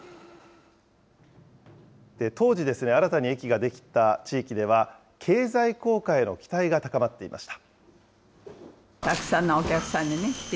当時、新たに駅ができた地域では、経済効果への期待が高まっていました。